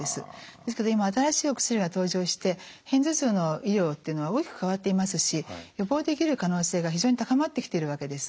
ですけど今は新しいお薬が登場して片頭痛の医療っていうのは大きく変わっていますし予防できる可能性が非常に高まってきているわけです。